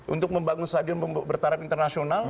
untuk membangun stadion bertaraf internasional